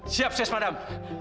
siap sis madam